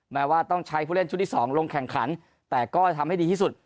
แม้ว่าต้องใช้ผู้เล่นชุดที่๒ลงแข่งขันแต่ก็จะทำให้ดีที่สุด